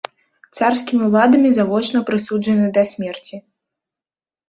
Царскімі ўладамі завочна прысуджаны да смерці.